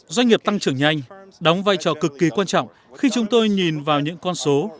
doanh nghiệp tăng trưởng nhanh đóng vai trò cực kỳ quan trọng khi chúng tôi nhìn vào những con số